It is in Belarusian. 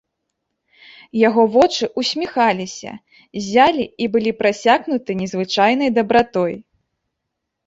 Яго вочы ўсміхаліся, ззялі і былі прасякнуты незвычайнай дабратой.